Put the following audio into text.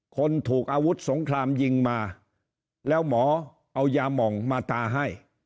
คนถูกอาวุธสงครามยิงมาแล้วหมอเอายาหม่องมาตาให้